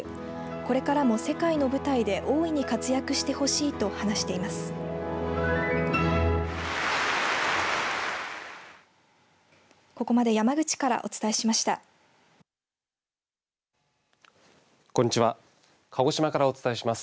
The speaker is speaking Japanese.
これからも、世界の舞台で大いに活躍してほしいと話しています。